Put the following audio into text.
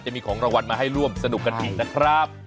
จะมีของรางวัลมาให้ร่วมสนุกกันอีกนะครับ